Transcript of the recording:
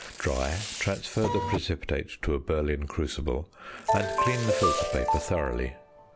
Dry, transfer the precipitate to a Berlin crucible, and clean the filter paper thoroughly.